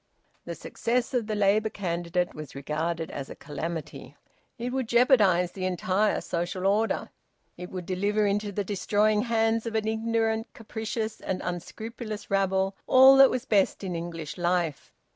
The success of the Labour candidate was regarded as a calamity. It would jeopardise the entire social order. It would deliver into the destroying hands of an ignorant, capricious, and unscrupulous rabble all that was best in English life.